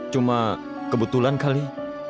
cuma kebetulan kali